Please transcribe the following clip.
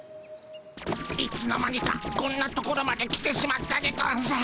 いつの間にかこんな所まで来てしまったでゴンス。